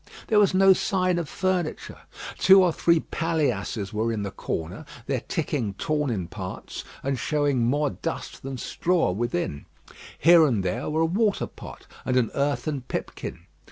There was no sign of furniture. Two or three paillasses were in the corner, their ticking torn in parts, and showing more dust than straw within. Here and there were a water pot and an earthen pipkin.